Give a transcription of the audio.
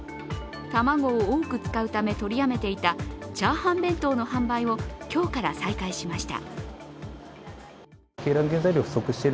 卵を多く使うため取りやめていたチャーハン弁当の販売を今日から再開しました。